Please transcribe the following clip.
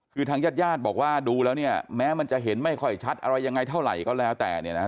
คือทางญาติญาติบอกว่าดูแล้วเนี่ยแม้มันจะเห็นไม่ค่อยชัดอะไรยังไงเท่าไหร่ก็แล้วแต่